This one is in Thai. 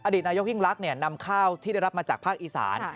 นายกยิ่งลักษณ์นำข้าวที่ได้รับมาจากภาคอีสาน